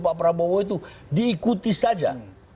pak prabowo itu diikuti saja